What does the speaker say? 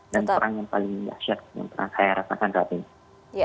dan perang yang paling dahsyat yang pernah saya rasakan saat ini